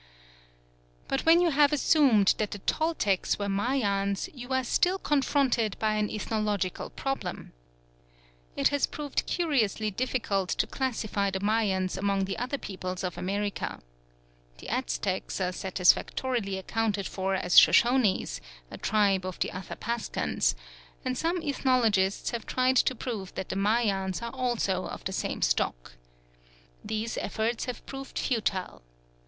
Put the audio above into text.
But when you have assumed that the Toltecs were Mayans, you are still confronted by an ethnological problem. It has proved curiously difficult to classify the Mayans among the other peoples of America. The Aztecs are satisfactorily accounted for as Shoshonees, a tribe of the Athapascans; and some ethnologists have tried to prove that the Mayans are also of the same stock. These efforts have proved futile.